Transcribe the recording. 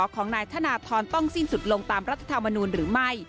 ของนายธนทรต้องสิ้นสุดลงตามรัฐธรรมนูลหรือไม่